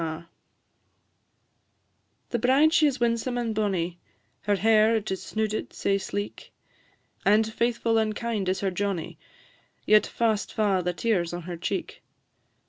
The bride she is winsome and bonnie, Her hair it is snooded sae sleek; And faithful and kind is her Johnnie, Yet fast fa' the tears on her cheek.